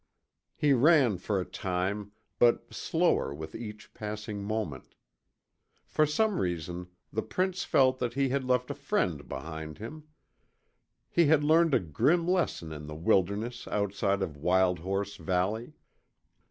He ran for a time, but slower with each passing moment. For some reason, the prince felt that he had left a friend behind him. He had learned a grim lesson in the wilderness outside of Wild Horse Valley.